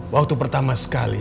waktu pertama sekali